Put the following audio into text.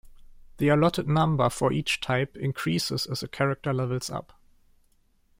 The allotted number for each type increases as a character levels up.